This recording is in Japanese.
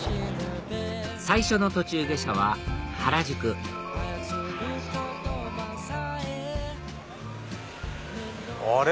最初の途中下車は原宿あれ？